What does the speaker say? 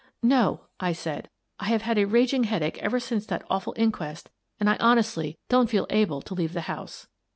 " No," I said. " I have had a raging headache ever since that awful inquest, and I honestly don't feel able to leave the house."